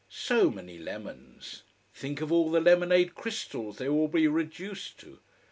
So many lemons! Think of all the lemonade crystals they will be reduced to!